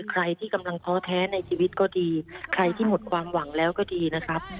ใครที่กำลังท้อแท้ในชีวิตก็ดีใครที่หมดความหวังแล้วก็ดีนะครับ